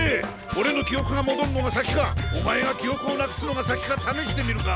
俺の記憶が戻るのが先かお前が記憶を無くすのが先か試してみるか！？